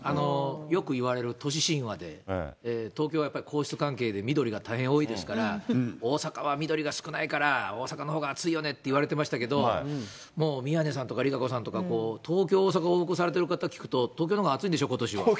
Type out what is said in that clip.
よくいわれる都市神話で、東京はやっぱり皇室関係で緑が大変多いですから、大阪は緑が少ないから、大阪のほうが暑いよねって言われてましたけど、もう宮根さんとかＲＩＫＡＣＯさんとか、東京、大阪往復されてる方聞くと、東京のほうが暑い。